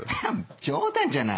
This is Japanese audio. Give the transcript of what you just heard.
冗談じゃない。